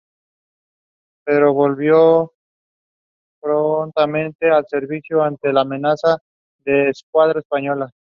Pero volvió prontamente al servicio, ante la amenaza de la Escuadra Española.